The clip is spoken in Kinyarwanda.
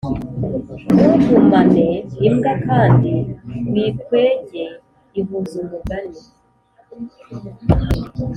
ntugumane imbwa kandi wikwege ihuza umugani